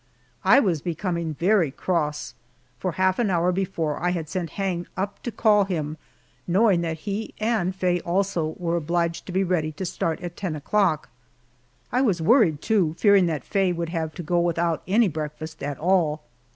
I was becoming very cross for half an hour before I had sent Hang up to call him, knowing that he and Faye also, were obliged to be ready to start at ten o'clock. I was worried, too, fearing that Faye would have to go without any breakfast at all.